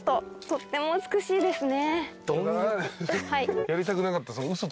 とっても美しいですね。